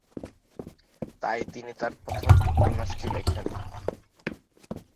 তাই তিনি তাঁর প্রথম উপন্যাসটি লিখেন।